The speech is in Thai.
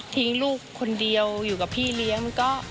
ลูกคนเดียวอยู่กับพี่เลี้ยง